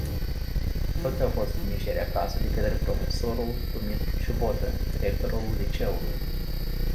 Toți au fost trimiși ieri acasă de către profesorul Dumitru Ciuboată, directorul liceului.